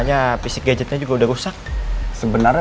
hakim dapat memutuskan bahwa